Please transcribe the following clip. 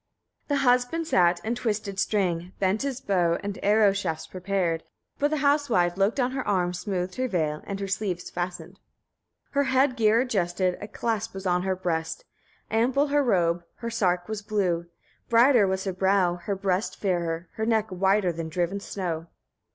25. The husband sat, and twisted string, bent his bow, and arrow shafts prepared; but the housewife looked on her arms, smoothed her veil, and her sleeves fastened; 26. Her head gear adjusted. A clasp was on her breast; ample her robe, her sark was blue; brighter was her brow, her breast fairer, her neck whiter than driven snow.